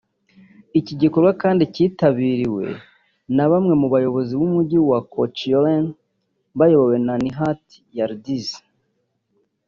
Iki gikorwa kandi cyitabiriwe na bamwe mu bayobozi b’umujyi wa Kacioren bayobowe na Nihat Yildiz